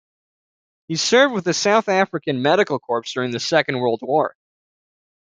He served with the South African Medical Corps during the second world war.